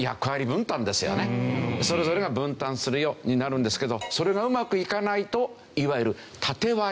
それぞれが分担するよになるんですけどそれがうまくいかないといわゆるタテ割り。